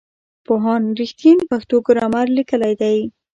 پوهاند رښتین پښتو ګرامر لیکلی دی.